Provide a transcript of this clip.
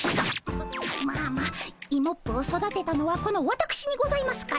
ままあまあイモップを育てたのはこのわたくしにございますから。